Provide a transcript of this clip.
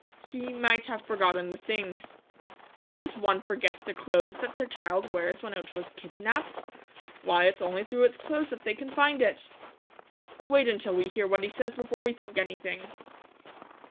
"He might have forgotten the things." "Does one forget the clothes that their child wears when it was kidnaped? Why, it's only through its clothes that they can find it." "Wait until we hear what he says before we think anything."